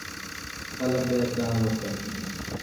خلک باید ځان وساتي.